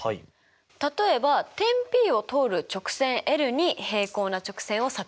例えば点Ｐを通る直線に平行な直線を作図してください。